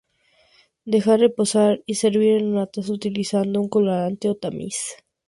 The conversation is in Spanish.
Dejar reposar y servir en una taza utilizando un colador o tamiz.